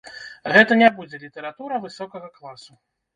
Гэта не будзе літаратура высокага класу.